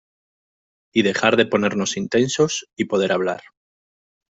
y dejar de ponernos intensos y poder hablar.